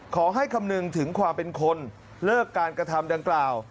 คำนึงถึงความเป็นคนเลิกการกระทำดังกล่าว